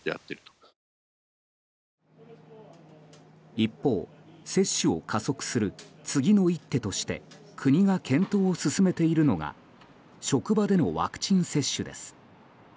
一方、接種を加速する次の一手として国が検討を進めているのが職場でのワクチン接種です。